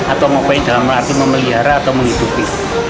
atau mobil dalam arti memelihara atau menghidupi